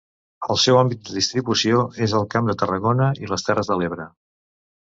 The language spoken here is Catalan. El seu àmbit de distribució és el Camp de Tarragona i les Terres de l'Ebre.